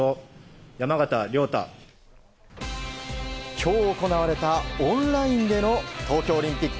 今日行われたオンラインでの東京オリンピック